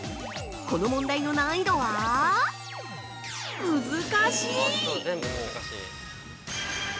この問題の難易度はむずかしい！